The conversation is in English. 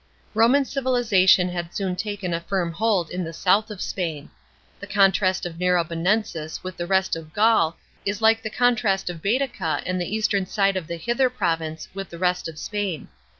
Roman civilization had soon taken a firm hold in the south of Spain.f The contrast of Narbonensis with the rest of Gaul is like the contrast of Baetica and the eastern side of the Hither province with the rest of Spain.